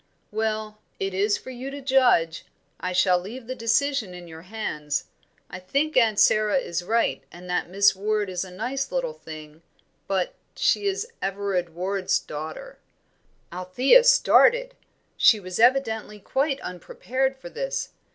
"Well, it is for you to judge. I shall leave the decision in your hands. I think Aunt Sara is right, and that Miss Ward is a nice little thing; but she is Everard Ward's daughter." Althea started; she was evidently quite unprepared for this.